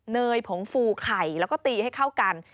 เนยผงฟูไข่แล้วก็ตีให้เข้ากัน